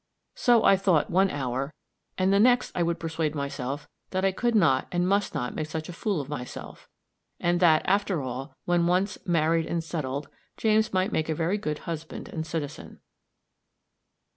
So I thought one hour, and the next I would persuade myself that I could not and must not make such a fool of myself; and that, after all, when once "married and settled," James might make a very good husband and citizen.